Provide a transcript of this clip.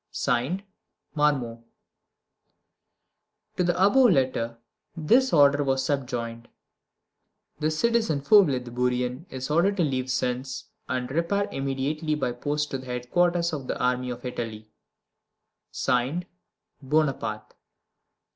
(Signed) MARMONT. To the above letter this order was subjoined: The citizen Fauvelet de Bourrienne is ordered to leave Sens, and repair immediately by post to the headquarters of the army of Italy. (Signed) BONAPARTE.